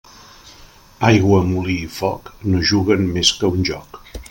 Aigua, molí i foc, no juguen més que a un joc.